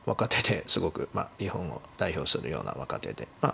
すごく日本を代表するような若手で。